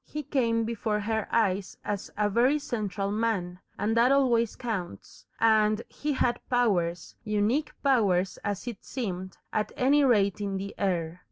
He came before her eyes as a very central man, and that always counts, and he had powers, unique powers as it seemed, at any rate in the air.